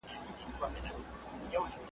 چي پر تا به قضاوت کړي او شاباس درباندي اوري `